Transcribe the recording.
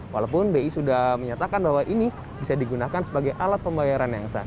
walaupun bi sudah menyatakan bahwa ini bisa digunakan sebagai alat pembayaran yang sah